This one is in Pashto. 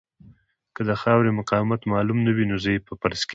که د خاورې مقاومت معلوم نه وي نو ضعیفه فرض کیږي